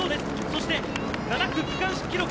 そして、７区区間記録